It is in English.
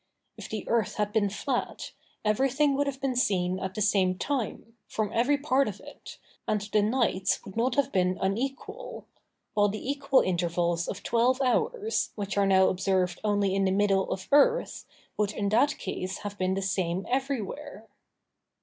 If the earth had been flat, everything would have been seen at the same time, from every part of it, and the nights would not have been unequal; while the equal intervals of twelve hours, which are now observed only in the middle of the earth, would in that case have been the same everywhere.